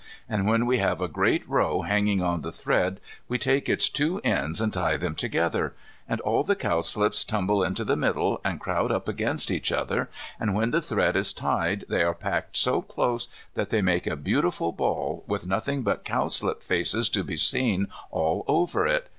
And when we have a great row hanging on the thread we take its two ends and tie them together. And all the cowslips tumble into the middle and crowd up against each other, and when the thread is tied they are packed so close that they make a beautiful ball, with nothing but cowslip faces to be seen all over it.